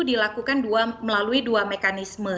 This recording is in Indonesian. dilakukan melalui dua mekanisme